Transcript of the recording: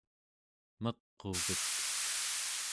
meq'uvet